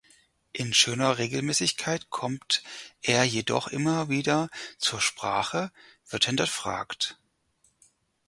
In schöner Regelmäßigkeit kommt er jedoch immer wieder zur Sprache, wird hinterfragt.